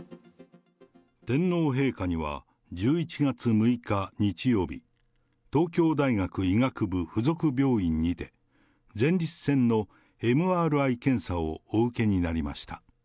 天皇陛下には１１月６日日曜日、東京大学医学部附属病院にて、前立腺のＭＲＩ検査をお受けになりました。